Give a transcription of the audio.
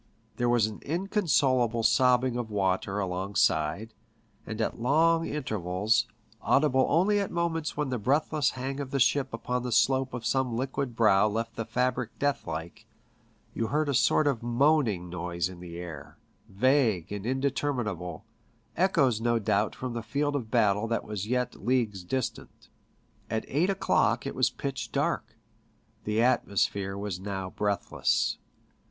There was an inconsolable sobbing of water alongside, and at long intervals, audible only at moments when the breathless hang of the ship upon the slope of some liquid brow left the fabric death like, you heard a sort of moaning noise in the air, vague and indeterminable, echoes no doubt from the field of battle that was yet leagues distant. At eight o'clock it was pitch dark. The atmosphere was now breathless.